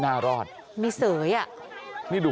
กลับไปลองกลับ